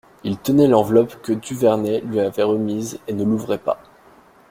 Il tenait l'enveloppe que Duvernet lui avait remise et ne l'ouvrait pas.